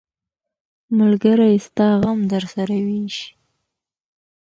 ملګری ستا غم درسره ویشي.